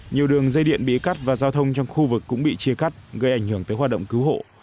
nhiều đường dây điện bị cắt và giao thông trong khu vực cũng bị chia cắt gây ảnh hưởng tới hoạt động cứu hộ